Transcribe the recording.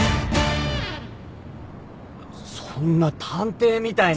そんな探偵みたいな。